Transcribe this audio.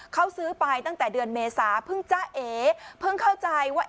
เขาซื้อไปตั้งแต่เดือนเมษาเพิ่งจ้าเอเพิ่งเข้าใจว่า